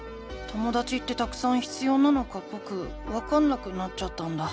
ともだちってたくさん必要なのかぼくわかんなくなっちゃったんだ。